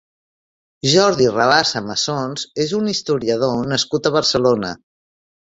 Jordi Rabassa Massons és un historiador nascut a Barcelona.